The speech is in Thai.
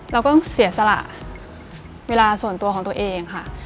เราก็เสียสละเวลาส่วนตัวของตัวเองค่ะ